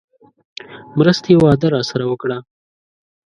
مرستې وعده راسره وکړه.